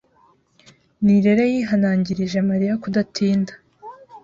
Nirere yihanangirije Mariya kudatinda.